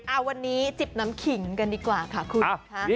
อ่ะวันนี้จิพนำงคิงกันดีกว่าค่ะคุณ